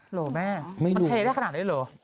เหรอแม่มันเทได้ขนาดนี้เหรอ